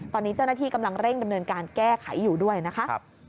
ตอนนี้เจ้าหน้าที่กำลังเร่งดำเนินการแก้ไขอยู่ด้วยนะคะ